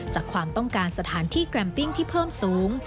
ความต้องการสถานที่แกรมปิ้งที่เพิ่มสูง